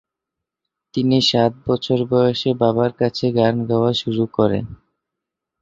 তিনি সাত বছর বয়সে বাবার কাছে গান গাওয়া শুরু করেন।